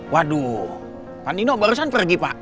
waduh pak nino barusan pergi pak